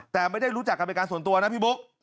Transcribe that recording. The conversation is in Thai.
แต่ไม่ได้รู้จักกันเป็นการส่วนตัวนะพี่บุ๊ค